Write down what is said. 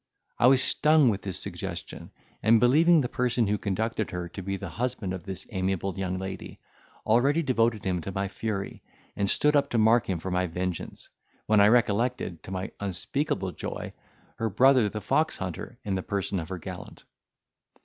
I was stung with this suggestion, and, believing the person who conducted her to be the husband of this amiable young lady, already devoted him to my fury, and stood up to mark him for my vengeance, when I recollected, to my unspeakable joy, her brother the fox hunter, in the person of her gallant.